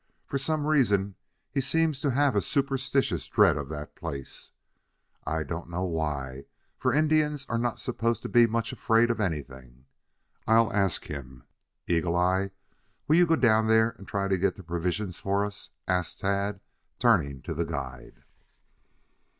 For some reason he seems to have a superstitious dread of that place. I don't know why, for Indians are not supposed to be much afraid of anything. I'll ask him. Eagle eye, will you go down there and try to get the provisions for us?" asked Tad, turning to the guide.